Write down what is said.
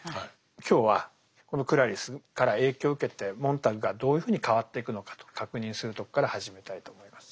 今日はこのクラリスから影響を受けてモンターグがどういうふうに変わっていくのかと確認するとこから始めたいと思います。